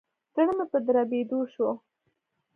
زړه مي په دربېدو شو.